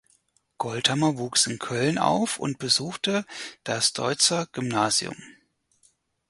Goldhammer wuchs in Köln auf und besuchte das Deutzer Gymnasium.